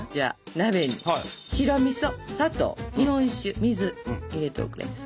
鍋に白みそ砂糖日本酒水入れておくれやす。